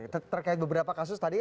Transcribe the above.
terkait beberapa kasus tadi